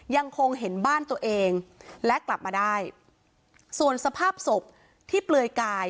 ยังคงเห็นบ้านตัวเองและกลับมาได้ส่วนสภาพศพที่เปลือยกาย